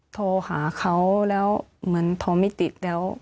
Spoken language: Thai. โทรหาเขาแล้วเหมือนโทรไม่ติดแล้ว